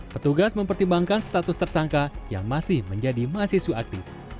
petugas mempertimbangkan status tersangka yang masih menjadi mahasiswa aktif